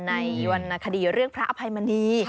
ในวรรณคดีเรื่องพระอภัยมณี